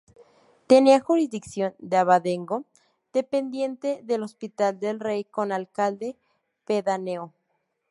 Tenía jurisdicción de abadengo dependiente del Hospital del Rey con alcalde pedáneo.